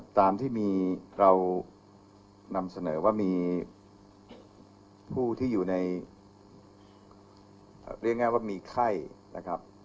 ตามที่มีเรานำเสนอว่ามีผู้ที่อยู่ในเรียกง่ายว่ามีไข้นะครับ